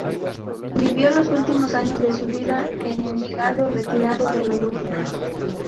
Vivió los últimos años de su vida en Envigado, retirado de la música.